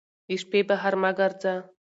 د شپې بهر مه ګرځه